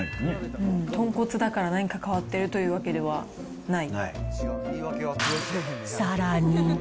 豚骨だから何か変わっているというわけではない。